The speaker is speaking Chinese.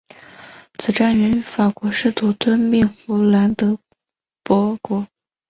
此战源于法国试图吞并弗兰德伯国。